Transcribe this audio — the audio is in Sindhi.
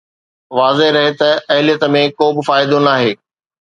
واضح رهي ته اهليت ۾ ڪو به فائدو ناهي